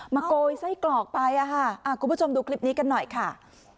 โกยไส้กรอกไปคุณผู้ชมดูคลิปนี้กันหน่อยค่ะ